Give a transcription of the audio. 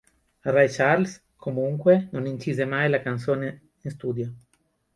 Ray Charles, comunque, non incise mai la canzone in studio.